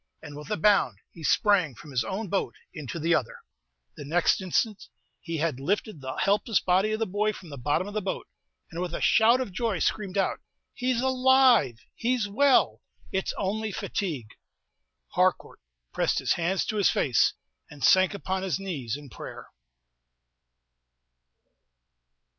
And, with a bound, he sprang from his own boat into the other. [Illustration: 126] The next instant he had lifted the helpless body of the boy from the bottom of the boat, and, with a shout of joy, screamed out, "He's alive! he's well! it's only fatigue!" Harcourt pressed his hands to his face, and sank upon his knees in prayer.